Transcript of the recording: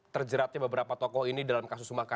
terjeratnya beberapa tokoh tokohnya